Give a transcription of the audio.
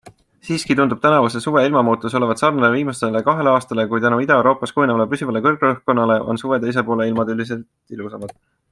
Siiski tundub tänavuse suve ilmamuutus olevat sarnane viimasele kahele aastale, kui tänu Ida-Euroopas kujunevale püsivale kõrgrõhkkonnale on suve teisel poolel ilmad üldiselt ilusamad.